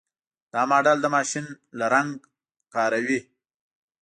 دا ماډل د ماشین لرنګ کاروي.